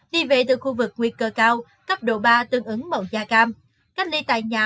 đi về từ khu vực nguy cơ cao cấp độ ba tương ứng mẫu da cam cách ly tại nhà